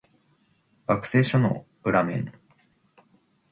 学生証の裏面